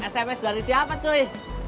sms dari siapa cuy